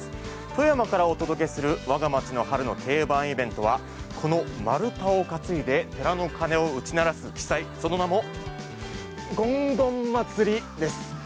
富山からお届けする「わが町の春の定番イベント」はこの丸太を担いで寺の鐘を打ち鳴らす奇祭、その名もごんごん祭りです。